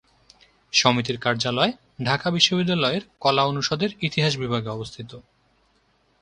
সমিতির কার্যালয় ঢাকা বিশ্ববিদ্যালয়ের কলা অনুষদের ইতিহাস বিভাগে অবস্থিত।